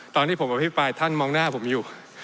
ตอนที่ผมอภิปรายท่านมองหน้าผมอยู่